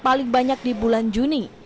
paling banyak di bulan juni